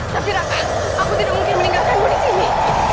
tapi rangka aku tidak mungkin meninggalkanmu di sini